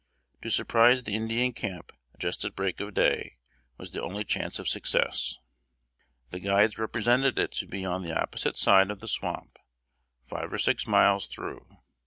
To surprise the Indian camp just at break of day, was the only chance of success. The guides represented it to be on the opposite side of the swamp, five or six miles through.